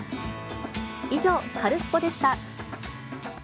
以上、カルスポっ！でした。